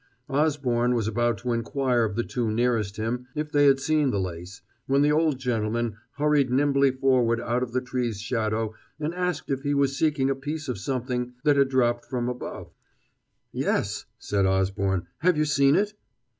Osborne was about to inquire of the two nearest him if they had seen the lace, when the old gentleman hurried nimbly forward out of the tree's shadow and asked if he was seeking a piece of something that had dropped from above. "Yes," answered Osborne, "have you seen it?"